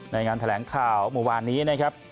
ในงานแถลงข่าวมุมวานนี้นะครับ